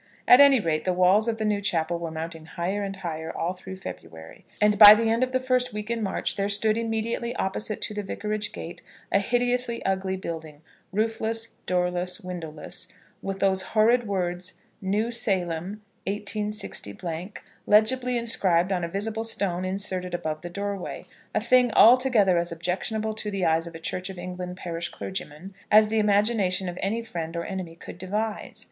At any rate, the walls of the new chapel were mounting higher and higher all through February, and by the end of the first week in March there stood immediately opposite to the Vicarage gate a hideously ugly building, roofless, doorless, windowless; with those horrid words, "New Salem, 186 " legibly inscribed on a visible stone inserted above the doorway, a thing altogether as objectionable to the eyes of a Church of England parish clergyman as the imagination of any friend or enemy could devise.